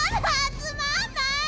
つまんない！